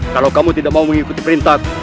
kalau kamu tidak mau mengikuti perintah